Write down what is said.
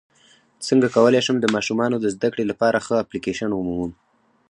څنګه کولی شم د ماشومانو د زدکړې لپاره ښه اپلیکیشن ومومم